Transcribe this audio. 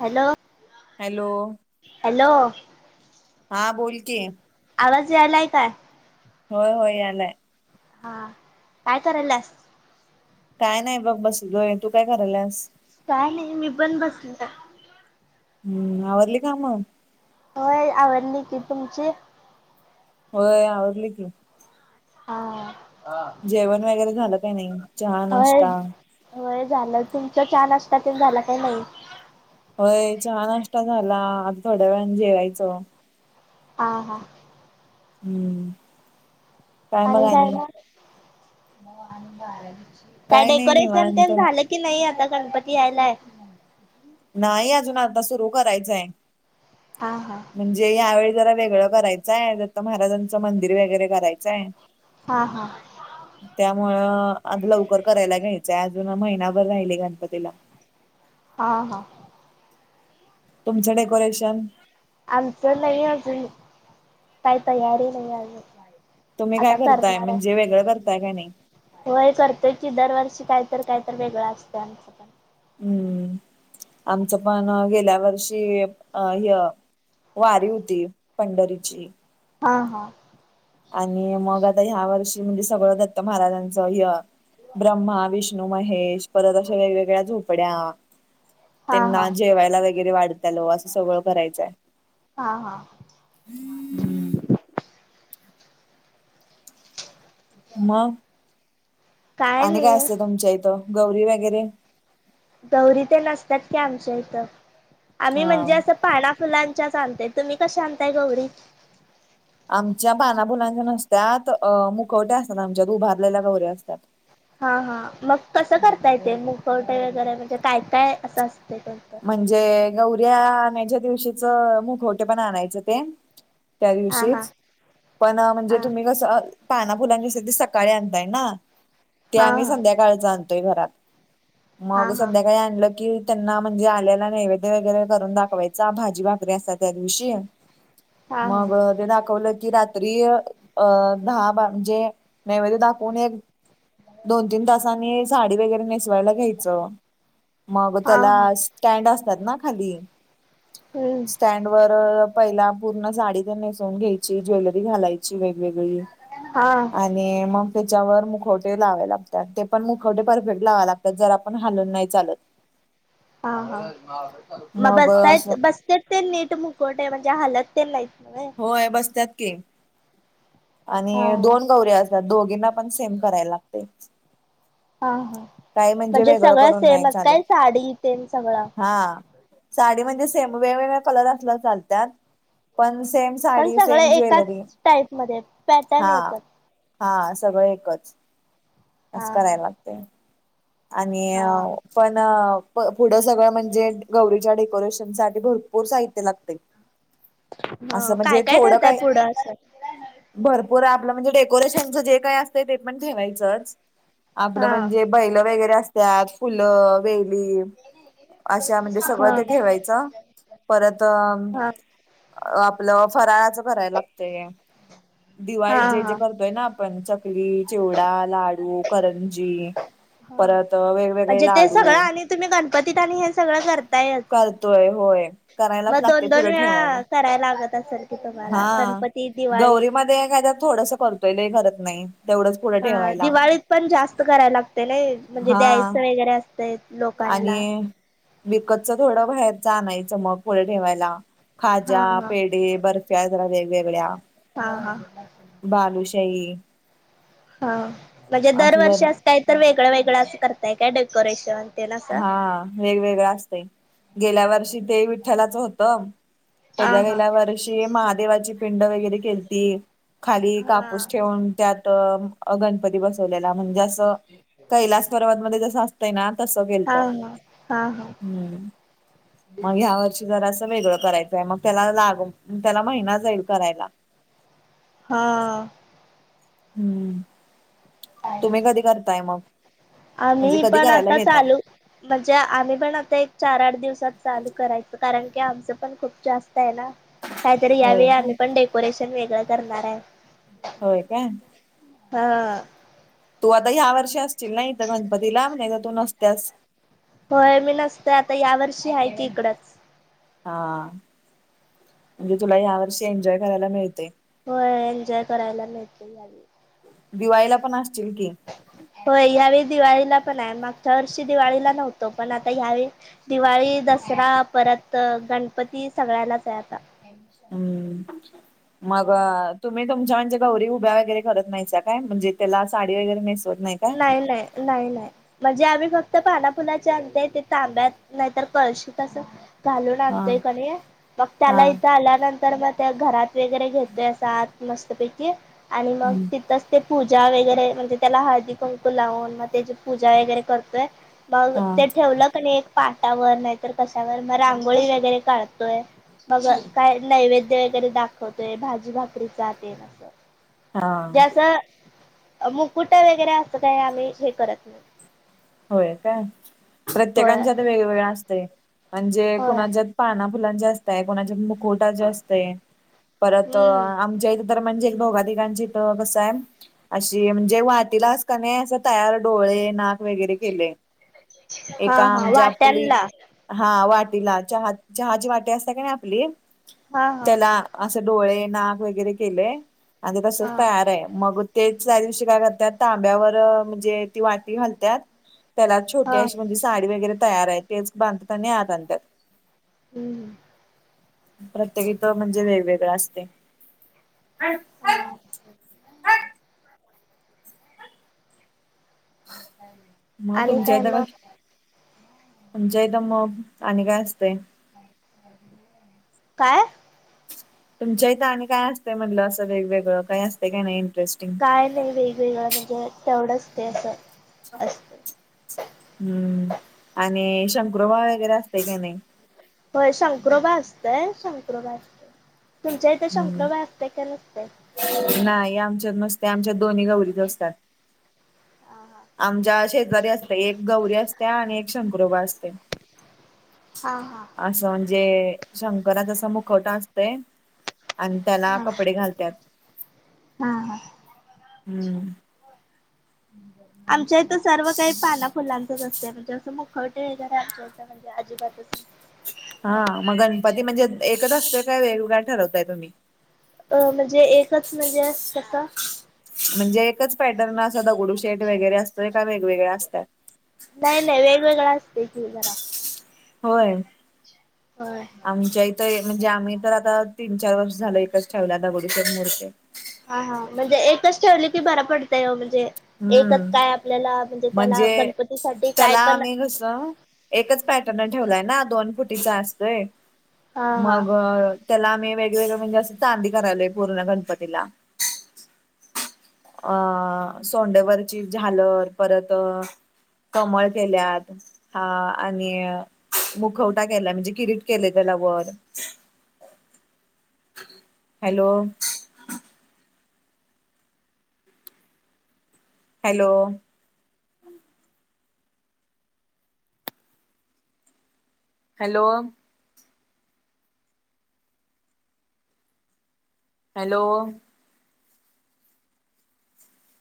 Hello hello hello हा बोलते आवाज यायलाय काय होय हो यालाय हा काय तरला काय नाही बघ बस जोय तू काय करायलास काय नाही मी पण बसल हम्म आवडली काम होय आवडली की तुमची होय आवडली की हा जेवण वगैरे झालं काही नाही चहा होय नष्टता होय झालं तुमचं छान असत ते झालं काही नाही होय छ नष्टा झाला आता थोड्या वेळने जेवायचं हा हा हम्म काय मग आणि काय नाही डेकोरेशन ते निवांत झालं कि नाही आता गणपती यायलाय नाही अजून आता सुरू करायचंय हां हां म्हणजे यावेळी जरा वेगळं करायचं आहे ज तर महाराजांचं मंदिर वगैरे करायचंय हा हा त्यामुळं आता लवकर करायला घ्यायचंय अजून महिनाभर राहिली गणपतीला हा हा तुमचं डेकोरेशन आमच नाही आ त काही तयारी नाही आली तुम्ही काय करताय म्हणजे वेगळं करताय काय नाही हो हे करतोय की दरवर्षी कायत काय तर वेगळां असत आमचं पण हम्म आमचं पण गेल्या वर्षी अ ह वारी होती पंढरीची हा हा आणि मग आता ह्या वर्षी म्हणजे सगळं दत्त महाराजांचं य ब्रह्मा विष्ण विष्णू महेश परत अशा वेगवेगळ्या झोपड्या हा त्यांना हा जेवायला वगैरे वाढताल असं सगळं करायचंय. हा हा. म आणि काय असते तुमच्या इथं गौरी वगैरे? गौरी तेन असतात की आमच्या इथं आम्ही हा म्हणजे असं पाना फुलांच्या चालततेय तुम्ही कश आणताय गौरी? आमच्या पानाफुलांच्या नसत्यात अ मुखवट्या असतात आमच्यात उभारलेल्या गौऱ्या असतात. हा हा मग कसं करता येते मुकवटे वगैरे म्हणजे काय काय असं असते त्यांचं? म्हणजे गौऱ्या अणायच्या दिवशीच मुख पण आणायचं ते त्या हा हा दिवशीच पण म्हणजे हा तुम्ही कस पाना फुलांची असते त सकाळी आणताय ना ते हा आम्ही हा संध्याकाळी काळच आणतोय घरात हा मग हा सांध्याकाळच आणल की त्यांना म्हणजे आल्याला नैवेद्य वगैरे करून दाखवायचा भाजी भाकरी असा त्या दिवशी. हा हा मग ते दाखवलं की रात तरी अ दहा म्हणजे नैवेद दाखवून एक दोन तीन तासाांनी साडी वगैरे नेसु वाला घ्यायच मग हा त्याला हा स्टँड असतात ना खाली? हम्म स्टँड वर पहिला पूर्ण साडी ते नेसून घ्यायची ज्वेलरी घालायची वेगवेगळी हा. आणि मग त्याच्यावर मुखवटे लावावे लागतात ते पण मुखवटे परफेक्ट लावा लागतात जर आपण हालून नाही चालत. हा हा मग बसतायत बसत ते नीट मुकोट आहे म्हणजे हलत ते नाही नवे? होय बसत्यात की. हा आणि हा दोन गौरी्या असतात दोघींना पण सेम करायला लागते. हा हा काही म्हणजे वेगळं सगळं करून नाही सेमच काय चालत साडी तेेन सगळं? हा. साडी म्हणजे सेम वेगवेगळ कलर असला चालतात पण सेम पण साडी सगळ सेम एकाच ज्वेलरी टाईपमध्येध्ये पॅटर्न हा एकच. हा सगळं एकच अस हा करायला लागते. आणि हा पण पुढं सगळं म्हणजे गौरीच्या डेकोरेशन सा ते भरपूर साहित्य लागते हा असं काय म्हणजे थोडं ठेवताय काय पुढं असं भरपूर आपलं म्हणजे डेकोरेशनचं जे काय असतं ते पण ठेवायचंच. आपलं हा म्हणजे बैल वगैरे असतात फुलं वेली अशा म्हणजे सगळं हा ते ठेवायचं परत अ हा अ आपलं फराळाचं करायला लागतय. हा दिवाळी जे जे हा करतोय ना आपण चकली चिवडा लाडू करंजी हा परत वेग म्हणजे ते सगळं आणि तुम्ही गणपतीत आणि हे सगळं कर करतोय होय करायलाच मग लागते दोन दोन पुढं ठेवायला. वेळा करायला लागत असेल. की तुम्हाला हा गणपती दिवाळीत गौरी मध्ये काय तर थोडस करतोय लय करत नाही तेवढंच. पुढं हा ठेवायला दिवाळीत पण जास्त करायला लागते नाई म्हणजे हा द्यायचं वगरे असत लोक आणि बिकतच थोडं बाहेरच आणायचं मग पुढ ठेवायला. हा खाज्या हा पेढ बर्फ्या जरा वेगवेगळ्या. हा हा बालुशाही. हा म्हणजे दरवर्षी असं काही तर वेगळं वेगळं असं करताय काय डेकोरेशन? तेन असं हा वेगवेगळं असतंय गेल्या वर्षी ते विठ्ठलाच होतं. हा त्याच्या हा गेल्या वर्षी महादेवाची पिंड वगैरे केती खाली हा कापूस ठेवून त्यात गणपती बसवलेला. म्हणजे असं कैलास पर्वत मध्ये जस असतंय ना? तस गेलत हा हा हा हा हम्म. मग ह्या वर्षी जरा असं वेगळं करायचंय मग त्याला लागून त्याला महिना जाईल करायला. हा. हम्म. तुम्ही कधी करताय मग म्हणजे आम्ही कधी पण करायला आता घेताय? चालू. म्हणजे आम्ही पण आता एक चार आठ दिवसात चालू करायचो कारण की आमचं पण खूप जास्त आहे ना. ह. काहीतरी यावेळी आम्ही पण डेकोरेशन वेगळं करणार आहे. होय का. हा. तू आता ह्या वर्षी असतील नाही तर गणपती लाब नाही तर तू नसतस. होय मी नसतय आता या वर्षी आहे की इकडंच. हा म्हणजे तुला या वर्षी एन्जॉय करायला मिळते. होय एन्जॉय करायला मिळते यावी. दिवायला पण असतील की. होय या्यावेळी दिवाळीला पण आहे मागच्या वर्षी दिवाळीला नव्हतो पण आता ह्यावेळी. दिवाळी दसरा परत गणपती सगळ्यांनाच आहे आता. हम्म मग तुम्ही. तुमच्या म्हणजे गौरी उभ्यागरे करत नाही काय म्हणजे त्याला साडी वगैरे मिेसवत नाही. काय नाही नाही नाही नाही. म्हणजे आम्ही फक्त पानापुलाच्या आणत ते तांब्यात नाहीतर कळशी तस. घालून हा आणतोय कण मग हा त्याला इथं आल्यानंतर. तर मग त्या घरात वगैरे घेतोय स आत मस्तपैकी आणि मग हम्म तिथंच ते. पूजा वगैरे म्हणजे त्याला हळदी कुंकू लावून मग त्याची पूजा वगैरे करतोय. बग हा ते ठेवलं क नाही एक पाटावर नाहीतर कशावर मग रांगोळी वगैरे काढतोय. मग काय नैवेद्य वगैरे दाखवतोय भाजी भाकरी हात अससं. हा ज्यास मुकुट वगैरे असत त्या आम्ही हे करत नाही होय का होय प्रत्येकांच्यात वेगवेगळ असतय म्हणजे होय. कुणाच्या पाना फुलांच्या असतय कोणाच्या मुकुटा ज असत परत हम्म. आमच्या इथ तर म्हणजे भौगधिकांची कसा आहे अशी म्हणजे मातीला का नाही असं तयार डोळे नाक वगैरे केले हा एका हा आमच्या आपली वाट्यांला हा वाटीला चहा चहाची वाटी असते का नाही आपली हा हा त्याला असे डोळे नाक वगैरे केले आणि तसच हा तयार आहे मग ते त्याही दिवशी काय करतात तांब्यावर म्हणजे ती वाटी घालतात त्याला छोटी हा. अशी म्हणजे साडी वगैरे तयार आहे तेच बांधताना आतंत हम्म प्रत्येकीित म्हणजे वेगवेगळं असते हा मग आणि काय तुमच्यादा मग का म्हणजे इथ मग आणि काय असते काय तुमच्या इथं आणि काय असते म्हटलं असं वेगवेगळं काही असते काय नाही इंटरेस्टिंग काय नाही वेगवेगळं म्हणजे तेवढंच ते असं असत हम्म आणि शंकरुबाळ वगैरे असतय का नाही हो शंख्रोबा असतय शंकर्रोबा असत तुमच्या इथे हम्म शंकरबा असत का नसत नाही आमच्यात नस्ते आमच्यात दोन्ही गौरीच असतात हा आमच्या शेतकरी असत एक गौरी असते आणि एक शंखुरबा असते हा हा असं म्हणजे शंकराच असं मुखवटा असतय आणि त्याला हा कपडे घालतत हा हा हम्म आमच्या इथं, सर्व काही पाना फुलांचच असत. त्या म्हणजे असं मुखवटे वगैरे, आमच्या म्हणजे अजिबात च हा मग, गणपती म्हणजे एकच असतेय, काय वेगवेगळ ठरवताय तुम्ही? अ म्हणजे एकच म्हणजे कस, म्हणजे एकच पॅटर्न, असा दगडू शेट वगैरे असतोय, का वेगवेगळ्या असतात. नाही, नाही वेगवेगळा असते की जरा, होय, होय, होय, आमच्या इथं म्हणजे, आम्ही तर आता तीन, चार, वर्ष झालं एकच ठेवल्या, दगडीूशर मूर्ती. हा, हा म्हणजे एकच, ठेवली की बरा पडतय, म्हणजे एकच हम्म काय, आपल्याला म्हणजे त्याला गणपतीसाठी, काय त्याला पण आम्ही कसं, एकच पॅटर्न ठेवलाय ना, दोन फुटीचा असतोय, हा हा मग त्याला आम्ही वेगवेगळं, म्हणजे असं चांदी करायलोय पूर्ण गणपतीला, अ, सोंडेवरची झालर, परत कमळ केल्यात. हा आणि मुखवटा केला, म्हणजे किरीट केले त्याला वर, हॅलो? हॅलो? हॅलो! हॅलो!